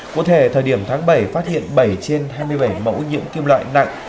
cụ thể thời điểm tháng bảy phát hiện bảy trên hai mươi bảy mẫu nhiễm kim loại nặng